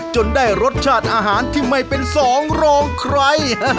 จนได้รสชาติอาหารที่ไม่เป็นสองรองใคร